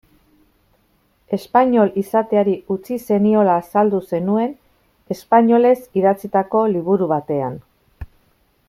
Espainol izateari utzi zeniola azaldu zenuen, espainolez idatzitako liburu batean.